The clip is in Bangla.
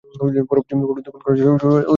পরবর্তী খুন করার জন্য শরীরে তেজ আসে।